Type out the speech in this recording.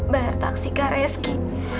bayar taksi ke reski